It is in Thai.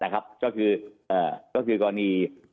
ก็คือกรณี